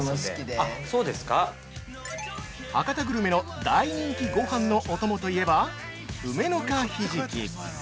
◆博多グルメの大人気ごはんのお供といえば「梅の香ひじき」。